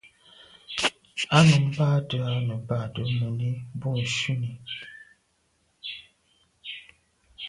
Á nǔm bâdə̀ á nə̀ bàdə̌ mùní bû shúnì.